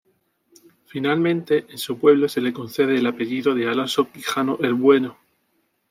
Finalmente, en su pueblo se le concede el apellido de Alonso Quijano, "el Bueno".